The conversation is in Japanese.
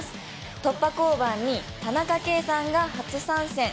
突破交番に田中圭さんが初参戦。